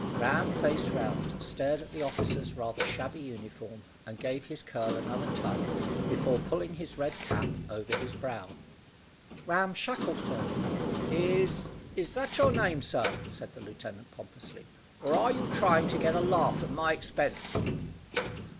Ram faced round, stared at the officer's rather shabby uniform, and gave his curl another tug before pulling his red cap over his brow. "Ram Shackle, sir." "Is is that your name, sir," said the lieutenant pompously, "or are you trying to get a laugh at my expense?"